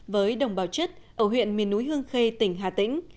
với đồng bào chất ở huyện miền núi hương khê tỉnh hà tĩnh